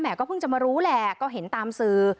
ก็เพิ่งจะมารู้แหละก็เห็นตามสื่อ